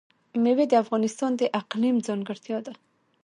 مېوې د افغانستان د اقلیم ځانګړتیا ده.